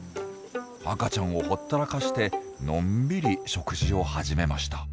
赤ちゃんをほったらかしてのんびり食事を始めました。